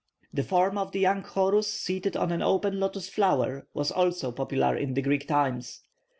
The form of the young Horus seated on an open lotus flower was also popular in the Greek times.